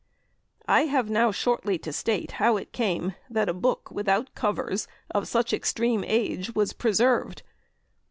"I have now shortly to state how it came that a book without covers of such extreme age was preserved.